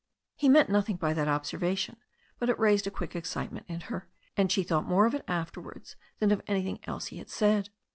He meant nothing by that observation, but it raised a quick excitement in her, and she thought more of it after wards than of anything else he had said.